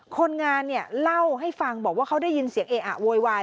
คนงานเนี่ยเล่าให้ฟังบอกว่าเขาได้ยินเสียงเออะโวยวาย